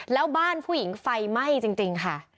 แล้วบ้านผู้หญิงไฟไหม้จริงค่ะ